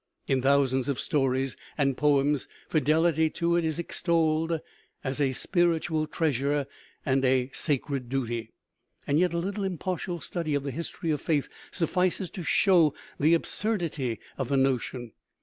In thousands of stories and poems fidelity to it is extolled as a spiritual treasure and a sacred duty. Yet a little impartial study of the history of faith suffices to show the absurdity of the notion.